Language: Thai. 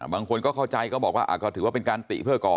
บางคนก็เข้าใจก็บอกว่าก็ถือว่าเป็นการติเพื่อก่อ